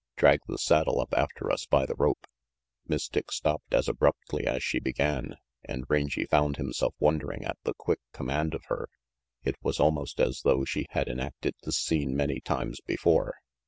Drag the saddle up after us by the rope." Miss Dick stopped as abruptly as she began, and Rangy found himself wondering at the quick com mand of her. It was almost as though she had enacted this scene many times before.